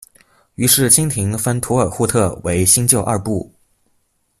于是清廷分土尔扈特为新旧二部。